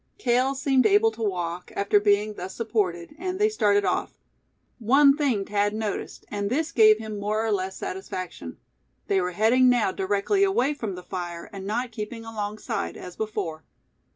Cale seemed able to walk, after being thus supported, and they started off. One thing Thad noticed; and this gave him more or less satisfaction. They were heading now directly away from the fire, and not keeping alongside, as before.